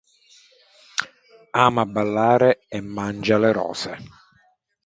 Ama ballare e mangia le rose.